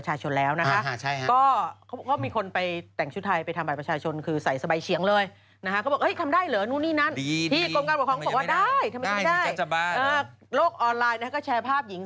ท่านก็ยังไม่ทราบชะตาตัวเองนะครับ